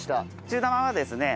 中玉はですね